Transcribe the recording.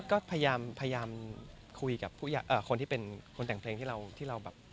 ก็พยายามคุยกับคนที่เป็นคนแต่งเพลงที่เราอยากได้เพลงแนวนี้